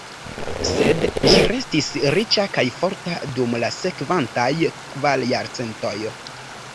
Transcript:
Sed ĝi restis riĉa kaj forta dum la sekvantaj kvar jarcentoj.